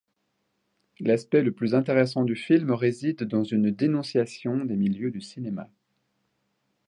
L'aspect le plus intéressant du film réside dans une dénonciation des milieux du cinéma.